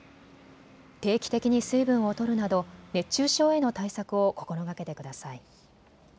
定期的に水分をとるなど熱中症への対策を心がけてください。